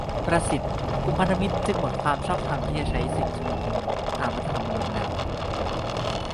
ประสิทธิ์ :"กลุ่มพันธมิตรจึงหมดความชอบธรรมที่จะใช้สิทธิชุมนุมตามรัฐธรรมนูญแล้ว"